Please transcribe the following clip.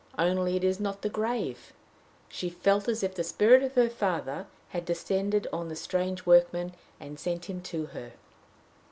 only it is not the grave! She felt as if the spirit of her father had descended on the strange workman, and had sent him to her.